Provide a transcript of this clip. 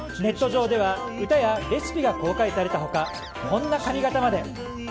ネット上では歌やレシピが公開された他、こんな髪形まで。